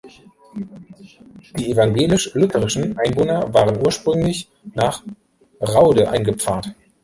Die evangelisch-lutherischen Einwohner waren ursprünglich nach Rhaude eingepfarrt.